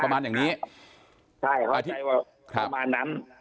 ความรับว่าเพราะมานั้น